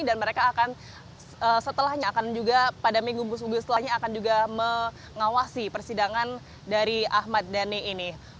dan mereka akan setelahnya akan juga pada minggu minggu setelahnya akan juga mengawasi persidangan dari ahmad dhani ini